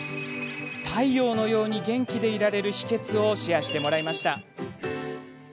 太陽のように元気でいられる秘けつをシェアしてもらいました。